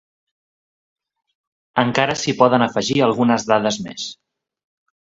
Encara s’hi poden afegir algunes dades més.